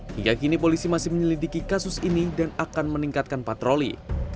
hingga kini polisi masih menyelidiki kasus ini dan akan meningkatkan patroli